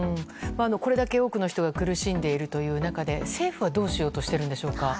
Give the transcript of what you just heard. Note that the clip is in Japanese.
これだけ多くの人が苦しんでいるという中で政府はどうしようとしているんでしょうか。